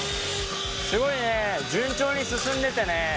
すごいね順調に進んでてね